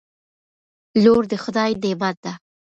لور دخدای نعمت ده